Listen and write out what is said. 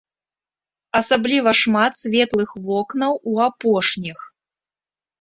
Асабліва шмат светлых вокнаў у апошніх.